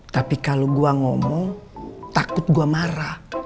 tapi kalau gue ngomong takut gue marah